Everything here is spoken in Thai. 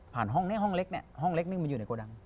ผ่านห้องนี้ห้องเล็กนี่ห้องเล็กนี่มันอยู่ในกระดัง